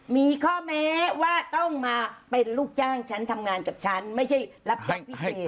มีข้อแม้ว่าต้องมาเป็นลูกจ้างฉันทำงานกับฉันไม่ใช่รับจ้างพิเศษ